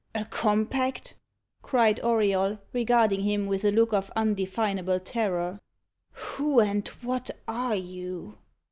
"A compact!" cried Auriol, regarding him with a look of undefinable terror. "Who and what are you?"